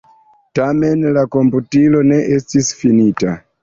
Tamen la komputilo ne estis finita.